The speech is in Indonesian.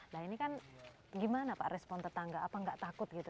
nah ini kan gimana pak respon tetangga apa nggak takut gitu